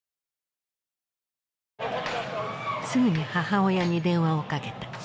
すぐに母親に電話をかけた。